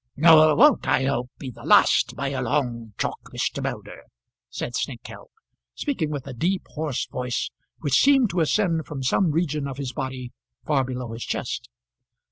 "Nor won't, I hope, be the last by a long chalk, Mr. Moulder," said Snengkeld, speaking with a deep, hoarse voice which seemed to ascend from some region of his body far below his chest.